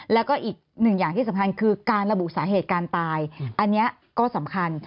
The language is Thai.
แล้วก็อีกหนึ่งอย่างที่สำคัญคือการระบุสาเหตุการตายอันนี้ก็สำคัญ